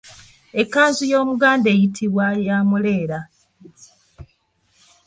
Ekkanzu y'Omuganda eyitibwa “ya muleera.῎